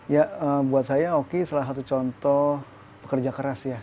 ya buat saya oki salah satu contoh pekerja keras ya